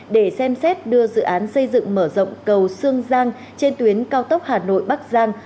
để xem xét đưa dự án xây dựng mở rộng cầu sương giang trên tuyến cao tốc hà nội bắc giang